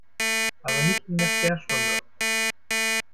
Aber nicht in der Sperrstunde.